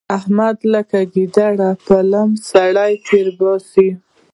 احمد لکه ګيدړه په لم سړی تېرباسي.